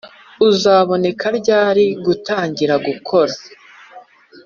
rr Uzaboneka ryari gutangira gukora